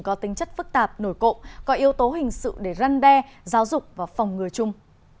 có tính chất phức tạp nổi cộ có yếu tố hình sự để răn đe giáo dục và phòng ngừa chung